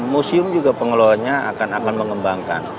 museum juga pengelolanya akan mengembangkan